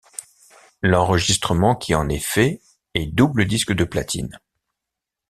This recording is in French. L'enregistrement qui en est fait est double disque de platine.